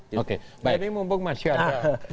jadi mumpung masih ada perdebatan tentang undang undang lainnya